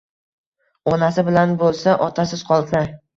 Onasi bilan bo’lsa, otasiz qolsa.